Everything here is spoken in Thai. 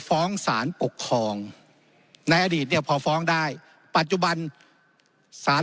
ฟ้องสารปกครองในอดีตเนี่ยพอฟ้องได้ปัจจุบันสาร